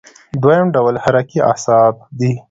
دویم ډول حرکي اعصاب دي.